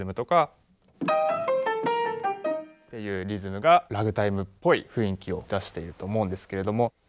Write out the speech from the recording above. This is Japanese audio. いうリズムがラグタイムっぽい雰囲気を出していると思うんですけれども。